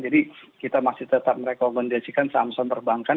jadi kita masih tetap merekomendasikan saham saham perbankan